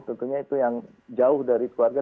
tentunya itu yang jauh dari keluarga